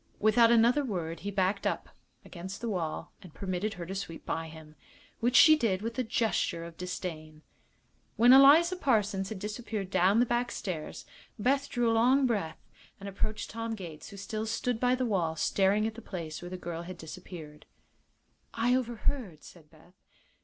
Without another word he backed up again; the wall and permitted her to sweep by him, which she did with a gesture of disdain. When Eliza Parsons had disappeared down the back stairs Beth drew a long breath and approached Tom Gates, who still stood by the wall staring at the place where the girl had disappeared. "I overheard," said Beth.